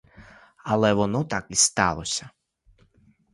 А воно так і сталося.